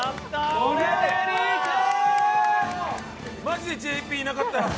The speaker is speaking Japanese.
マジでＪＰいなかったら。